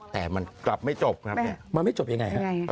แต่มันกลับไม่จบนะครับเนี่ยมันไม่จบยังไงครับ